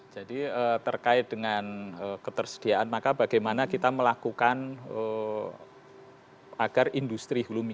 jadi terkait dengan ketersediaan maka bagaimana kita melakukan agar industri hulumi